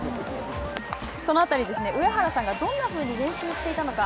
その辺りですね、上原さんがどんなふうに練習していたのか。